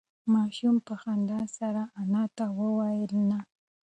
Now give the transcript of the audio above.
ماشوم په خندا سره انا ته وویل نه.